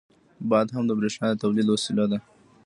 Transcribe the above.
• باد هم د برېښنا د تولید وسیله ده.